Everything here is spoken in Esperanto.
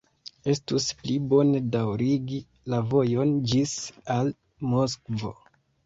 Estus pli bone daŭrigi la vojon ĝis al Moskvo!